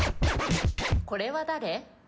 これは誰？